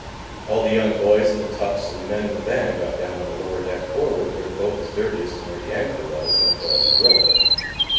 All the young boys and the toughs and the men in the band got down on the lower deck forward, where the boat was dirtiest and where the anchor was and the coils of rope.